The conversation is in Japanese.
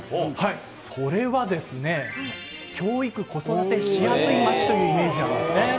それはですね、教育・子育てしやすい街というイメージなんですね。